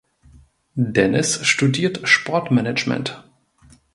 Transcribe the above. Dennis studiert Sportmanagement.